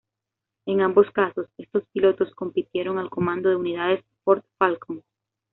En ambos casos, estos pilotos compitieron al comando de unidades Ford Falcon.